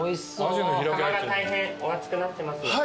釜が大変お熱くなってますので。